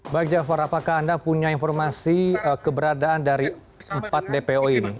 baik jafar apakah anda punya informasi keberadaan dari empat dpo ini